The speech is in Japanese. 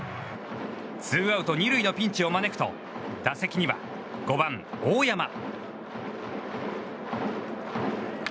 ツーアウト２塁のピンチを招くと打席には５番、大山。